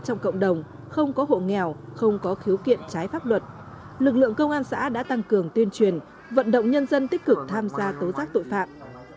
trong cộng đồng không có hộ nghèo không có khiếu kiện trái pháp luật lực lượng công an xã đã tăng cường tuyên truyền vận động nhân dân tích cực tham gia tố giác tội phạm